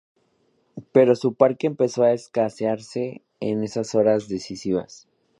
Pero su parque empezó a escasear en esas horas decisivas.